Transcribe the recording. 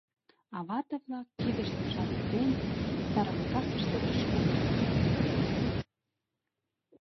А вате-влак, кидыштым шаралтен, тарантасыште чӱчкалтат: